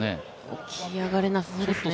起き上がれなそうですね。